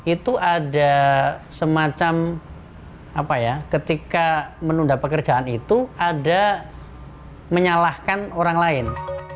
itu ada semacam apa ya ketika menunda pekerjaan itu ada menyalahkan orang lain